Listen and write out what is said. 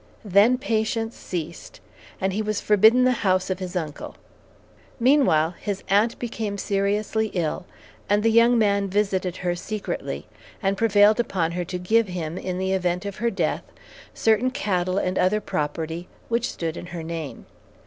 Then patience ceased, and he was forbidden the house of his uncle. Meanwhile, his aunt became seriously ill, and the young man visited her secretly, and prevailed upon her to give him, in the event of her death, certain cattle and other property which stood in her name.